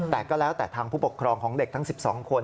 แต่ก็แล้วแต่ทางผู้ปกครองของเด็กทั้ง๑๒คน